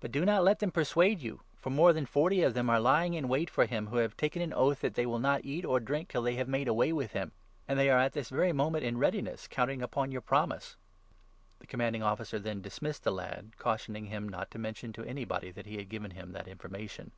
But do not let them 2 1 persuade you, for more than forty of them are lying in wait for him, who have taken an oath that they will not eat or drink, till they have made away with him ; and they are at this very moment in readiness, counting upon your promise." The Commanding Officer then dismissed the lad, cautioning 22 him not to mention to anybody that he had given him that information.